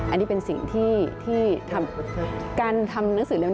อันนี้เป็นสิ่งที่การทำหนังสือเลี้ย